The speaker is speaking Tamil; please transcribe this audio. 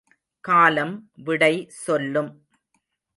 காலம் விடை சொல்லும்!